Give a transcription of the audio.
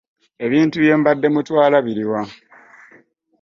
Ebintu bye mubadde mutwala biri wa?